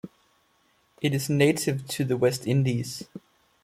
It is native to the West Indies.